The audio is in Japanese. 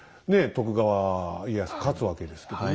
徳川家康が勝つわけですけどね。